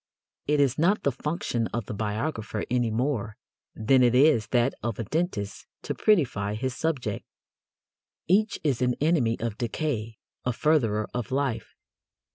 It is not the function of the biographer any more than it is that of a dentist to prettify his subject. Each is an enemy of decay, a furtherer of life.